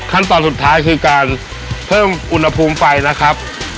ขั้นตอนสุดท้ายคือการเพิ่มอุณหภูมิไปนะครับ